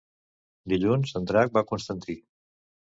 Dilluns en Drac va a Constantí.